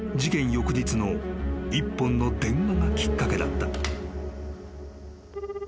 翌日の一本の電話がきっかけだった］